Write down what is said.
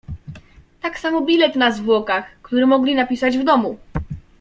"Tak samo bilet na zwłokach, który mogli napisać w domu."